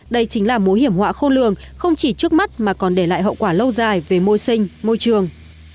đây chính là mối hiểm họa khôn lường không chỉ trước mắt mà còn để lại hậu quả lâu dài về môi sinh môi trường